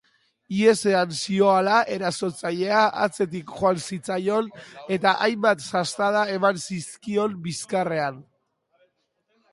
Ihesean zihoala, erasotzailea atzetik joan zitzaion eta hainbat sastada eman zizkion bizkarrean.